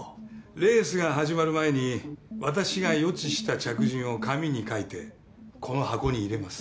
レースが始まる前に私が予知をした着順を紙に書いてこの箱に入れます。